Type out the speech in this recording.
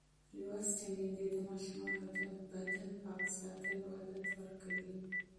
لوستې میندې د ماشومانو د بدن پاک ساتلو عادت ورکوي.